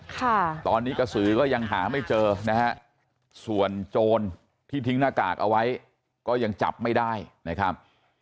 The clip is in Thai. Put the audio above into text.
ค่ะตอนนี้กระสือก็ยังหาไม่เจอนะฮะส่วนโจรที่ทิ้งหน้ากากเอาไว้ก็ยังจับไม่ได้นะครับ